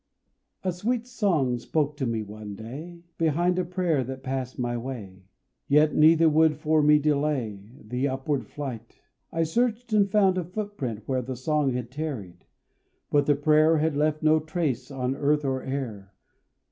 A sweet song spoke to me one day, Behind a prayer that passed my way, Yet neither would for me delay The upward flight. I searched and found a footprint where The song had tarried; but the prayer Had left no trace on earth or air.